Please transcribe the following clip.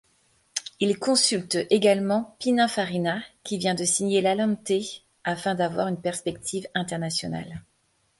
Il consulte également Pininfarina, qui vient de signer l’Allanté, afin d‘avoir une perspective internationale.